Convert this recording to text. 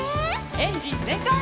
エンジンぜんかい！